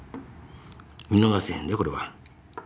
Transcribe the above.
見逃せへんでこれは。